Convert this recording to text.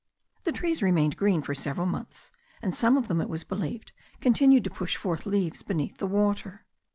The trees remained green for several months; and some of them, it was believed, continued to push forth leaves beneath the water.